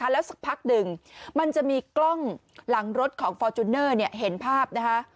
แล้วสักพักหนึ่งมันจะมีกล้องหลังรถของฟอร์จูเนอร์เห็นภาพนะคะ